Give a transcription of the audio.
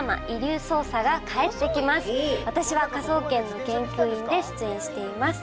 私は科捜研の研究員で出演しています。